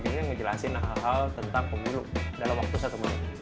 tentang pembunuh dalam waktu satu menit